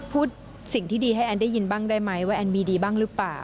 พูดสิ่งที่ดีให้แอนได้ยินบ้างได้ไหมว่าแอนมีดีบ้างหรือเปล่า